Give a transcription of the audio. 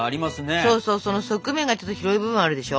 そうそうその側面がちょっと広い部分あるでしょ？